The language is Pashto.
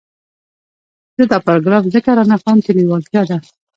زه دا پاراګراف ځکه را نقلوم چې لېوالتیا ده.